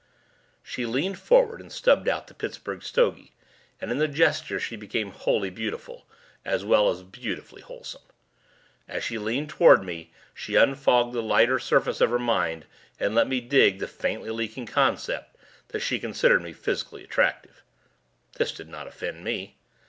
She leaned forward and stubbed out the Pittsburgh stogie and in the gesture she became wholly beautiful as well as beautifully wholesome. As she leaned toward me she unfogged the lighter surface of her mind and let me dig the faintly leaking concept that she considered me physically attractive. This did not offend me.